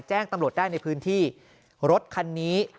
แจ้งตำรวจได้ในพื้นที่รถคันนี้